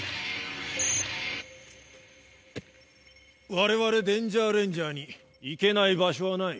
我々デンジャーレンジャーに行けない場所はない。